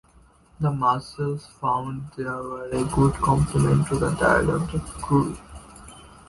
The mussels found there were a good compliment to the diet of the crew.